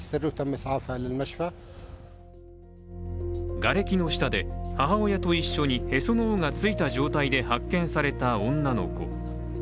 がれきの下で、母親と一緒にへその緒がついた状態で発見された女の子。